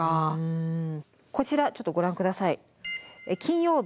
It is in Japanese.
こちらちょっとご覧下さい。